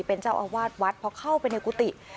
เป็นเจ้าอาวาสวัดพอเข้าไปในกุฏิ